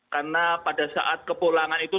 karena pada saat kepulangan itu